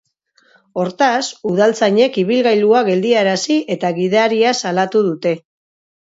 Hortaz, udaltzainek ibilgailua geldiarazi eta gidaria salatu dute.